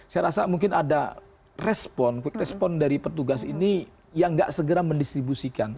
saya rasa mungkin ada respon respon dari petugas ini yang nggak segera mendistribusikan